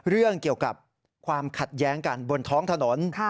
เรื่องเกี่ยวกับความขัดแย้งกันบนท้องถนน